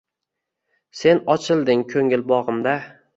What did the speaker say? Sen ochilding ko’ngil bog’imda.